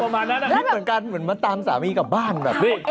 หน้าเหมือนคำสั่ง